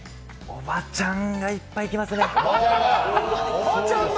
おばちゃんがいっぱい来ますね。